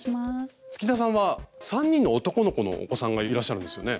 月田さんは３人の男の子のお子さんがいらっしゃるんですよね？